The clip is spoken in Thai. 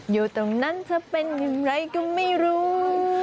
อยู่ตรงนั้นจะเป็นอย่างไรก็ไม่รู้